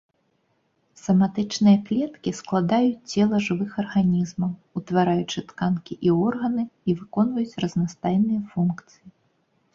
Саматычныя клеткі складаюць цела жывых арганізмаў, утвараючы тканкі і органы, і выконваюць разнастайныя функцыі.